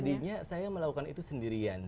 jadinya saya melakukan itu sendirian